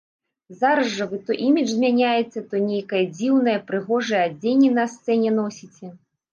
Зараз жа вы то імідж змяняеце, то нейкае дзіўнае, прыгожае адзенне на сцэне носіце.